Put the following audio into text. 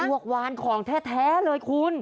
วกวานของแท้เลยคุณ